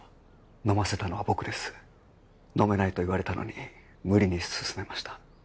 飲ませたのは僕です飲めないと言われたのに無理に勧めました